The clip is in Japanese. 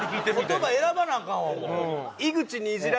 言葉選ばなアカンわ。